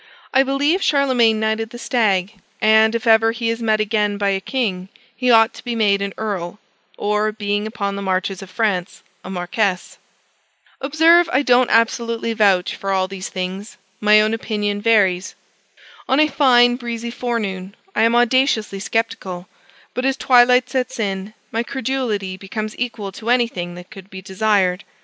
I believe Charlemagne knighted the stag; and, if ever he is met again by a king, he ought to be made an earl or, being upon the marches of France, a marquess. Observe, I don't absolutely vouch for all these things: my own opinion varies. On a fine breezy forenoon I am audaciously sceptical; but as twilight sets in, my credulity becomes equal to anything that could be desired.